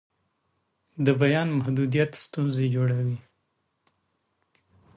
د بیان محدودیت ستونزې جوړوي